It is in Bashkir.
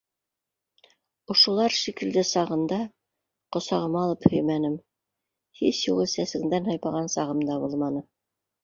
Ошолар шикелде сағында ҡосағыма алып һөймәнем, һис юғы сәсеңдән һыйпаған сағым да булманы.